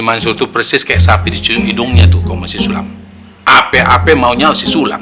mansur tuh persis kayak sapi di cium hidungnya tuh kalau masih sulam apa apa maunya si sulam